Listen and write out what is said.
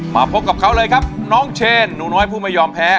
มาพบกับเขาเลยครับน้องเชนหนูน้อยผู้ไม่ยอมแพ้